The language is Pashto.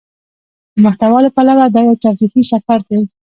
د محتوا له پلوه دا يو تفريحي سفر دى.